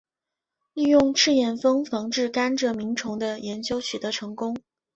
利用赤眼蜂防治甘蔗螟虫的研究取得成功。